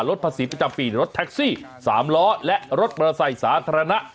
รถภาษีประจำปีรถแท็กซี่๓ล้อและรถบริษัทธรรณะ